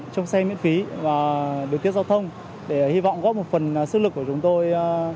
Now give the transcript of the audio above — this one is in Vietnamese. trong xe miễn phí và điều tiết giao thông để hy vọng góp một phần sức lực của chúng tôi